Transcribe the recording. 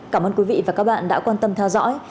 cảm ơn quý vị và các bạn đã quan tâm theo dõi